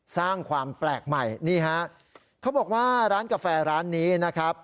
สร้างความแปลกใหม่นี่ฮะเขาบอกว่าร้านกาแฟร้านนี้นะครับ